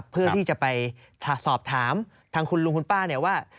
เพื่อที่จะไปสอบถามทางคุณลุงคุณป้าเนี่ยว่า